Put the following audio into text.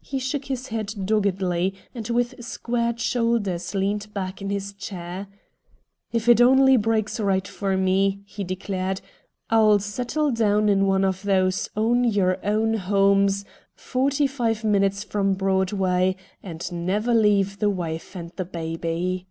He shook his head doggedly, and with squared shoulders leaned back in his chair. "If it only breaks right for me," he declared, "I'll settle down in one of those 'Own your own homes,' forty five minutes from Broadway, and never leave the wife and the baby."